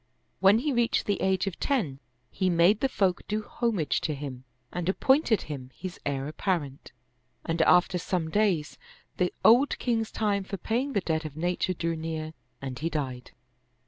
When he reached the age of ten, he made the folk do homage to him and ap pointed him his heir apparent, and after some days, the old king's time for paying the debt of nature drew near and he died.